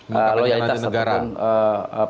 kemudian dia tidak punya loyalitas sebetulnya